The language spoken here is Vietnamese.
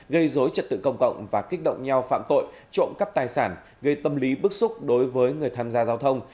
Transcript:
gây dối trật tự công cộng và kích động nhau phạm tội trộm cắp tài sản gây tâm lý bức xúc đối với người tham gia giao thông